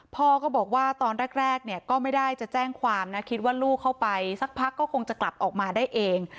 พ่อก็บอกว่าตอนแรกเนี่ยก็ไม่ได้จะแจ้งความนะคิดว่าลูกเข้าไปสักพักก็คงจะกลับออกมาได้เอง